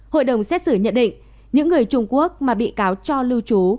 hội đồng xét xử nhận định những người trung quốc mà bị cáo cho lưu trú